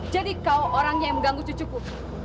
jadi kau orangnya yang mengganggu cucuku